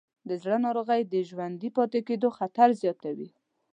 د زړه ناروغۍ د ژوندي پاتې کېدو خطر زیاتوې.